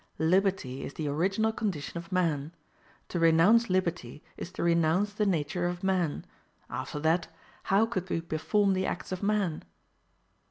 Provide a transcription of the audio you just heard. Liberty is the original condition of man; to renounce liberty is to renounce the nature of man: after that, how could we perform the acts of man?